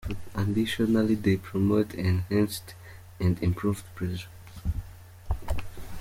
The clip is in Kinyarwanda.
Additionally they promote enhanced and improved pleasure,.